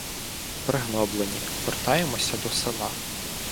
Пригноблені, вертаємося до села.